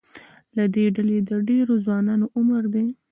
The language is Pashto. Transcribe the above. له دې ډلې د ډېرو ځوانانو عمر د